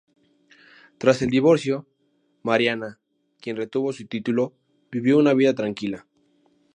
Tras el divorcio, Mariana, quien retuvo su título, vivió una vida tranquila.